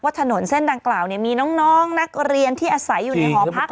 ถนนเส้นดังกล่าวมีน้องนักเรียนที่อาศัยอยู่ในหอพัก